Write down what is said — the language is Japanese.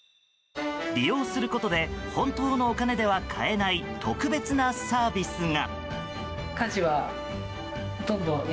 利用することで本当のお金では買えない特別なサービスが。